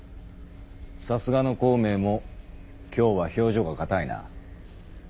さすがの孔明も今日は表情が硬いな。